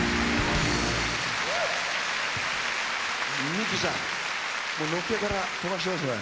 ミッキーさんのっけから飛ばしてますね。